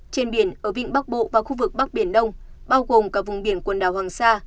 trên biển ở vịnh bắc bộ và khu vực bắc biển đông bao gồm cả vùng biển quần đảo hoàng sa